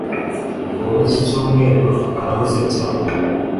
muri iki cyumweru arahuze cyane.